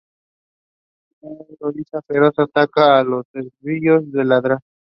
Un gorila feroz ataca a los esbirros de la Dra.